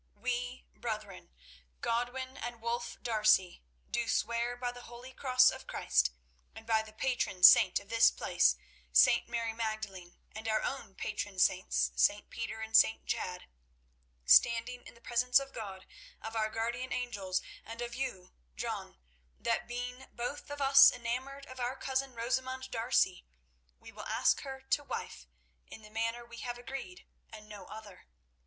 "We brethren, Godwin and Wulf D'Arcy, do swear by the holy Cross of Christ, and by the patron saint of this place, St. Mary Magdalene, and our own patron saints, St. Peter and St. Chad, standing in the presence of God, of our guardian angels, and of you, John, that being both of us enamoured of our cousin, Rosamund D'Arcy, we will ask her to wife in the manner we have agreed, and no other.